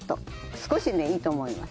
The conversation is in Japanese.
少しでいいと思います。